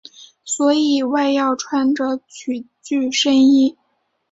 所以外要穿着曲裾深衣。